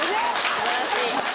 素晴らしい。